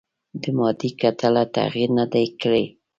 د مادې کتله تغیر نه دی کړی.